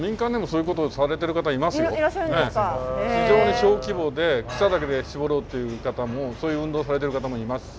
非常に小規模で草だけで搾ろうっていう方もそういう運動をされてる方もいますし。